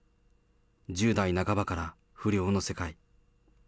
１０代半ばから不良の世界。